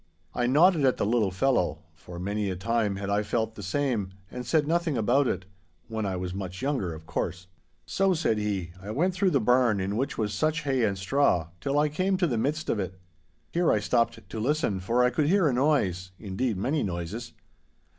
I nodded at the little fellow, for many a time had I felt the same, and said nothing about it—when I was much younger, of course. 'So,' said he, 'I went through the barn in which was such hay and straw, till I came to the midst of it. Here I stopped to listen, for I could hear a noise, indeed many noises.